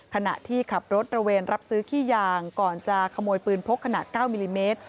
ขณะที่ขับรถระเวนรับซื้อขี้ยางก่อนจะขโมยปืนพกขนาด๙มิลลิเมตร